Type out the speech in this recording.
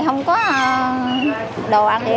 không có đồ ăn gì